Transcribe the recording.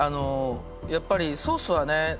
やっぱりソースはね